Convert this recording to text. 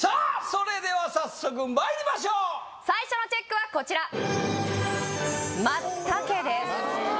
それでは早速まいりましょう最初のＣＨＥＣＫはこちら松茸です